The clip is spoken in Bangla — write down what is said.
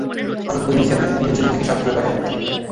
পাথরের তৈরি সেট বিক্রি হচ্ছে দুই থেকে সাত হাজার টাকার মধ্যে।